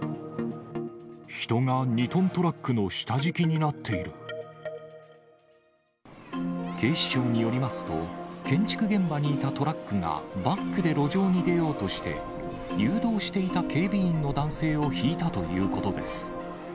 人が２トントラックの下敷き警視庁によりますと、建築現場にいたトラックがバックで路上に出ようとして、誘導していた警備員の男性をひいたということです。